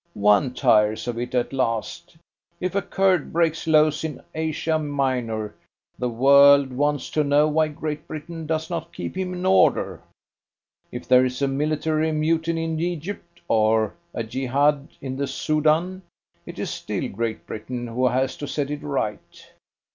One tires of it at last. If a Kurd breaks loose in Asia Minor, the world wants to know why Great Britain does not keep him in order. If there is a military mutiny in Egypt, or a Jehad in the Soudan, it is still Great Britain who has to set it right.